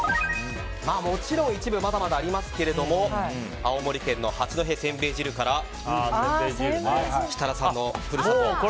もちろん一部まだまだありますが青森県の八戸せんべい汁から設楽さんの故郷。